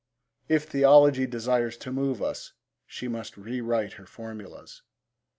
If Theology desires to move us, she must re write her formulas.